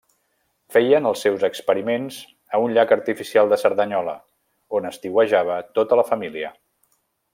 Feien els seus experiments a un llac artificial de Cerdanyola, on estiuejava tota la família.